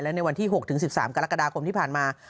ในวันที่๖๑๓กรกฎาคมที่ผ่านมา